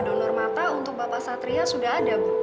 donor mata untuk bapak satria sudah ada bu